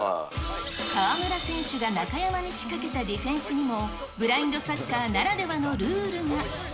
川村選手が中山に仕掛けたディフェンスにも、ブラインドサッカーならではのルールが。